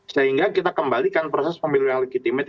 sehingga kita kembalikan proses pemilu yang legitimit